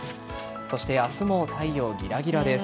明日も太陽ギラギラです。